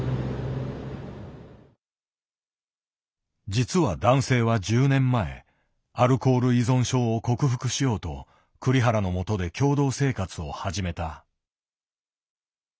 実は男性は１０年前アルコール依存症を克服しようと栗原のもとで共同生活を始めた。